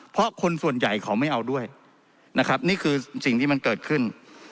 เพราะคนส่วนใหญ่เขาไม่เอาด้วยนะครับนี่คือสิ่งที่มันเกิดขึ้น